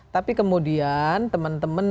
tapi kemudian teman teman